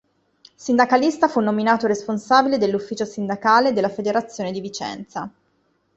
Sindacalista fu nominato responsabile dell’Ufficio Sindacale della Federazione di Vicenza.